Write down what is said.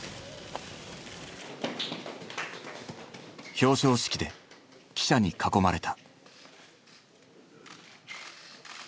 表彰式で記者に囲まれた。